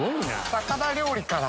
魚料理から。